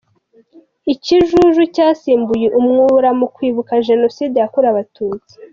Ikijuju cyasimbuye Umwura mu kwibuka Jenoside yakorewe Abatutsi